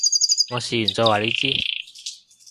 我試完再話你知